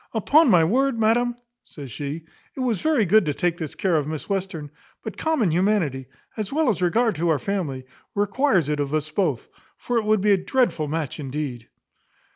Upon my word, madam," says she, "it was very good to take this care of Miss Western; but common humanity, as well as regard to our family, requires it of us both; for it would be a dreadful match indeed."